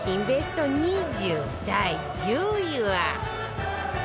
ベスト２０第１０位は